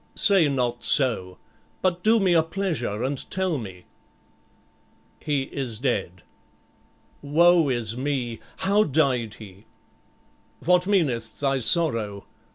"Say not so; but do me a pleasure and tell me." "He is dead." "Woe is me! How died he?" "What meaneth thy sorrow?